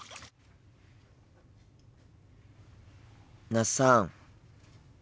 那須さん。